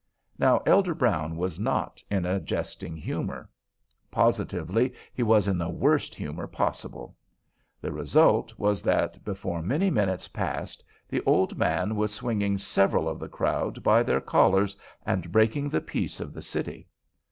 Now Elder Brown was not in a jesting humor. Positively he was in the worst humor possible. The result was that before many minutes passed the old man was swinging several of the crowd by their collars, and breaking the peace of the city.